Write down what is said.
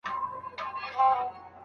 که واک نه وي درکړل سوی، پرېکړه مه کوئ.